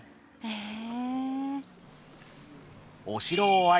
へえ。